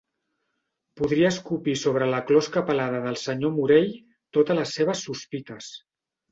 Podria escopir sobre la closca pelada del senyor Morell totes les seves sospites.